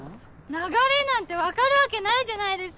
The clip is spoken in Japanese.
流れなんて分かるわけないじゃないですか！